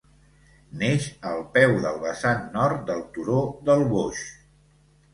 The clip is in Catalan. Neix al peu del vessant nord del Turó del Boix.